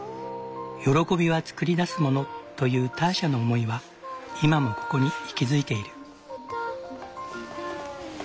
喜びはつくり出すものというターシャの思いは今もここに息づいている。